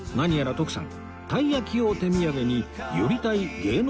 徳さん。